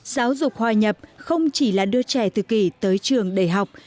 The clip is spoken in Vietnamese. giáo dục hòa nhập không chỉ là đưa trẻ tự kỳ tới trường đầy học